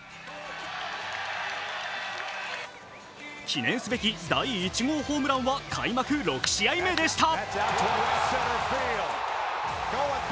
記念すべき第１号ホームランは開幕６試合目でした。